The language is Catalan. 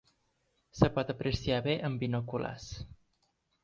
Es pot apreciar bé amb binoculars.